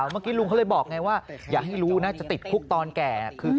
เมื่อกี้ลุงเขาเลยบอกไงว่าอย่าให้รู้นะจะติดคุกตอนแก่